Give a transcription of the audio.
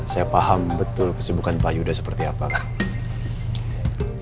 saya paham betul kesibukan pak yuda seperti apakah